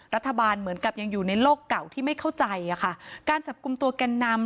เหมือนกับยังอยู่ในโลกเก่าที่ไม่เข้าใจอ่ะค่ะการจับกลุ่มตัวแกนนำ